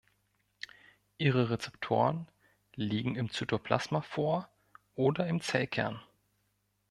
Ihre Rezeptoren liegen im Zytoplasma vor oder im Zellkern.